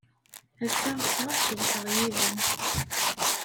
Ass-a, ɣseɣ ad ceḍḥeɣ yid-m.